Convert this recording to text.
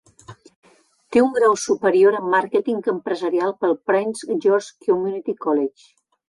Té un grau superior en màrqueting empresarial pel Prince George's Community College.